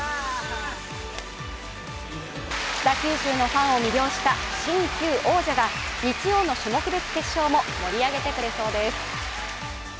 北九州のファンを魅了した新旧王者が日曜の種目別決勝も盛り上げてくれそうです。